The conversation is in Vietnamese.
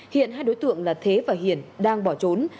hiện hai đối tượng là thế và hiển đang bỏ trốn